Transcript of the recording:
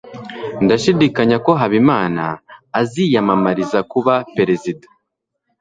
ndashidikanya ko habimana aziyamamariza kuba perezida